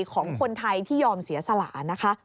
ของคนไทยที่ยอมเสียสละนะคะ